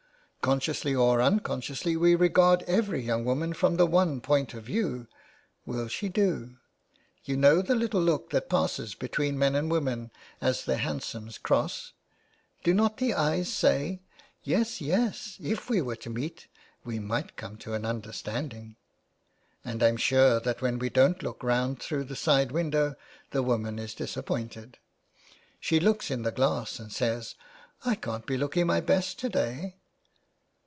Consciously or un consciously we regard every young woman from the one point of view. ' Will she do ?' You know the little look that passes between men and women as their hansoms cross ? Do not the eyes say :* Yes, yes, if we were to meet we might come to an understand ing ?' And I'm sure that when we don't look round through the side windows the woman is disappointed. She looks in the glass and says, ' I can't be looking my best to day.'